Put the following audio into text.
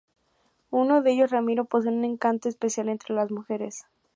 Uno de ellos, Ramiro, posee un encanto especial entre las mujeres.